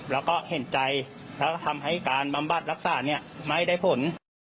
แล้วก็เห็นใจแล้วทำให้การบำบัดรักษาเนี่ยไม่ได้ผล